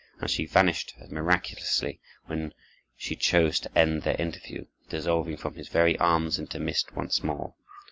And she vanished as miraculously, when she chose to end their interview, dissolving from his very arms into mist once more.